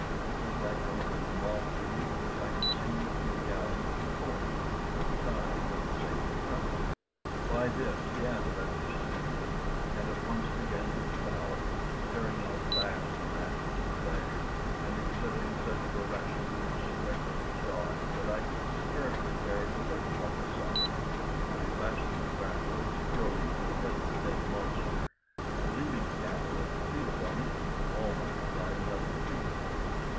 It was like one of those monsters which I had seen from the galley of the Kohen at the time of the sacred hunt. By this the athaleb descended, and at once began to devour it, tearing out vast masses of flesh, and exhibiting such voracity and strength of jaw that I could scarcely bear to look upon the sight. I fastened the grapple securely to the head of the dead monster, and leaving the athaleb to feed upon it, Almah and I went up the beach.